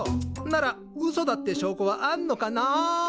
ならうそだって証拠はあんのかな？